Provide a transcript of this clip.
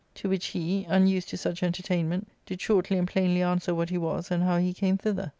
To which he, unused to such entertainment, did shortly and plainly answer what he was, and how he came thither.